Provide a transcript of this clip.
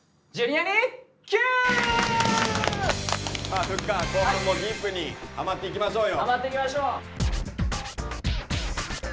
さあふっか後半もディープにハマっていきましょうよ。